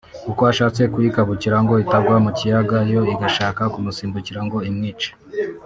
uko ashatse kuyikabukira ngo itagwa mu kiyaga yo igashaka kumusimbukira ngo imwice